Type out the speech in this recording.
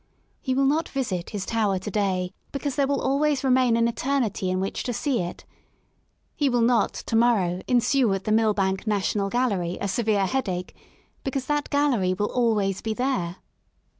He will not visit his Tower to day because there will always remain an eternity in whicl\ to see it; he will not, to morrow, ensue at the Millbank National Gallery a severe head ache, because that Gallery will always be there.